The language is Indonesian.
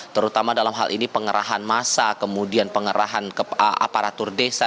terutama dalam hal ini pengerahan masa kemudian pengerahan aparatur desa